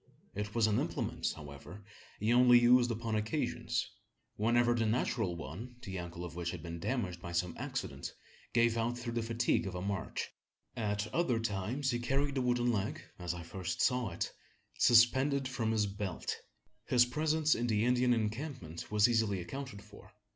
It was an implement, however, he only used upon occasions whenever the natural one the ankle of which had been damaged by some accident gave out through the fatigue of a march. At other times he carried the wooden leg, as I first saw it, suspended from his belt! His presence in the Indian encampment was easily accounted for.